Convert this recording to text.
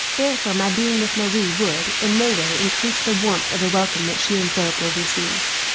Therefore my being with Marie would, in no way, increase the warmth of the welcome that she and Philip will receive.